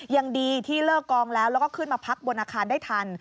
ยังดีที่เลิกกองแล้วแล้วก็ขึ้นมาพักบนอาคารได้ทัน